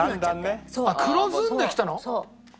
黒ずんできたの？